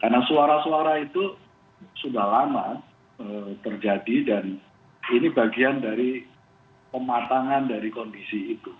karena suara suara itu sudah lama terjadi dan ini bagian dari pematangan dari kondisi itu